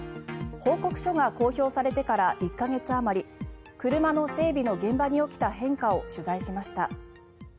報告書が公表されてから１か月余り車の整備の現場に起きた変化を取材しました。